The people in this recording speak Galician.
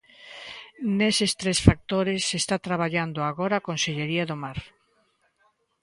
Neses tres factores está traballando agora a Consellería do Mar.